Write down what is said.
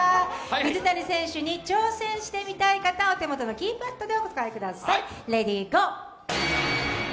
水谷選手に挑戦してみたい方、お手元のキーパットでお答えください。